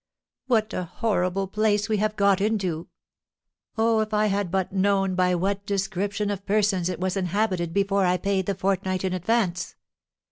"What a horrible place we have got into! Oh, if I had but known by what description of persons it was inhabited before I paid the fortnight in advance!